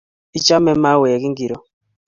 Ichame mauek ngircho?